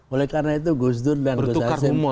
oleh karena itu gus dur dan gus hasim